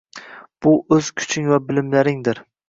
– bu o‘z kuching va bilimlaringdir.